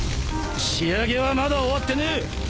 仕上げはまだ終わってねえ！